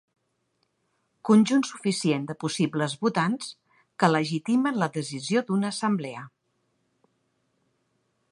Conjunt suficient de possibles votants que legitimen la decisió d'una assemblea.